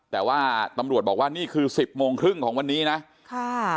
แต่ว่าตำรวจบอกว่านี่คือสิบโมงครึ่งของวันนี้นะค่ะ